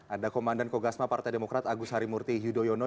ada komandan kogasma partai demokrat agus harimurti yudhoyono